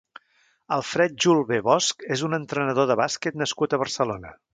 Alfred Julbe Bosch és un entrenador de bàsquet nascut a Barcelona.